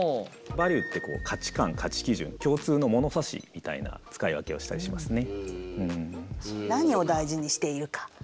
バリューってこう価値観価値基準共通のものさしみたいな使い分けをしたりしますね。